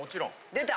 出た！